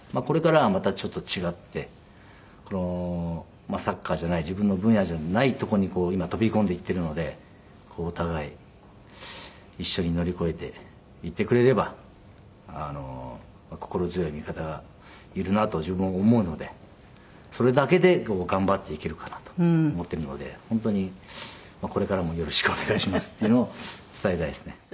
これからはまたちょっと違ってサッカーじゃない自分の分野じゃないとこに今飛び込んでいってるのでお互い一緒に乗り越えていってくれればあの心強い味方がいるなと自分思うのでそれだけで頑張っていけるかなと思ってるので本当にこれからもよろしくお願いしますっていうのを伝えたいですね。